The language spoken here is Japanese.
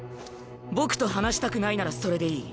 僕と話したくないならそれでいい。